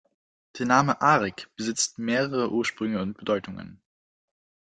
Der Name Arik besitzt mehrere Ursprünge und Bedeutungen.